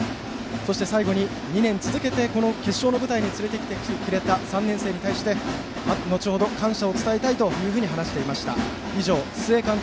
そして最後に２年連続でこの決勝の舞台に連れてきてくれた３年生に対して後ほど、感謝を伝えたいとお話していました。